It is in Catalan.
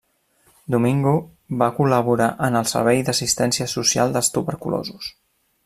Domingo va col·laborar en el Servei d'Assistència Social dels Tuberculosos.